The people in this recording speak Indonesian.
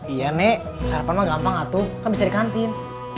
iya nek sarapan mah gampang atuh kan bisa di kantin